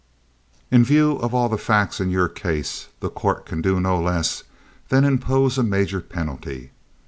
"In view of all the facts in your case the court can do no less than impose a major penalty.